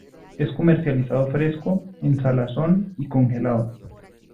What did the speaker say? Es comercializado fresco, en salazón y congelado.